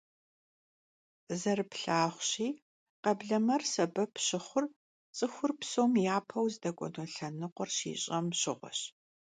Зэрыплъагъущи, къэблэмэр сэбэп щыхъур цӀыхур псом япэу здэкӀуэну лъэныкъуэр щищӀэм щыгъуэщ.